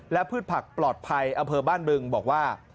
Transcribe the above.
และพืชผักปลอดภัยอำเภอบ้านบึงบอกว่า